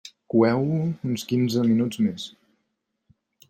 Coeu-ho uns quinze minuts més.